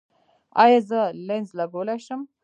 ایا زه لینز لګولی شم؟